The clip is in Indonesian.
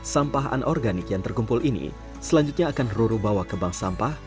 sampah anorganik yang terkumpul ini selanjutnya akan roro bawa ke bank sampah